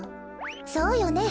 そうよね。